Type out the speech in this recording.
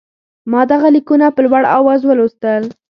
ما دغه لیکونه په لوړ آواز ولوستل.